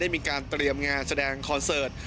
มีการเตรียมงานแสดงคอนเสิร์ต